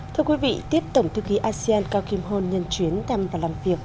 thưa quý vị tiếp tổng thư ký asean cao kim hôn nhân chuyến thăm và làm việc